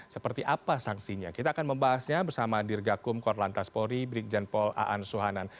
seperti apa sanksinya kita akan membahasnya bersama dirgakum kor lantas polri brik janpol aan suhanan